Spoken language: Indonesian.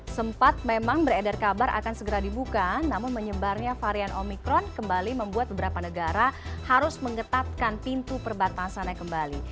sempat memang beredar kabar akan segera dibuka namun menyebarnya varian omikron kembali membuat beberapa negara harus mengetatkan pintu perbatasannya kembali